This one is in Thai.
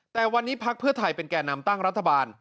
แต่วันนี้พักเพื่อไทยเป็นแก่นำตั้งรัฐบาล